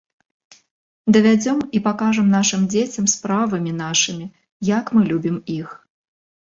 Давядзём і пакажам нашым дзецям справамі нашымі, як мы любім іх.